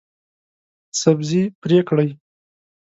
سبزي پرې کړئ